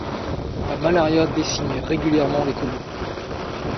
La malaria décimait régulièrement les colons.